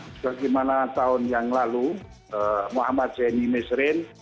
sebagaimana tahun yang lalu muhammad zainal mesrin